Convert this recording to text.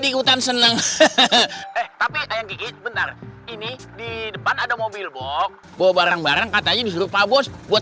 ikutan seneng hahaha tapi ini di depan ada mobil bawa barang barang katanya disuruh pak bos buat